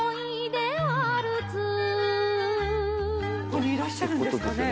ここにいらっしゃるんですかね。